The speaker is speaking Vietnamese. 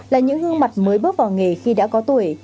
là những gương mặt mới bước vào nghề khi đã có tuổi